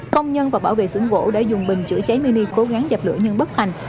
công nhân và bảo vệ xưởng gỗ đã dùng bình chữa cháy mini cố gắng dập lửa nhưng bất thành